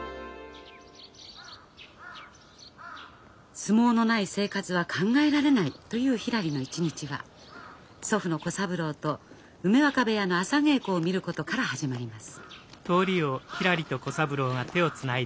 相撲のない生活は考えられないというひらりの一日は祖父の小三郎と梅若部屋の朝稽古を見ることから始まります。